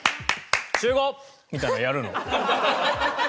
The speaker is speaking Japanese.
みたいなのやるの？